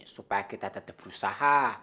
supaya kita tetap berusaha